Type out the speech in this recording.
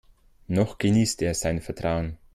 Noch genießt er sein Vertrauen.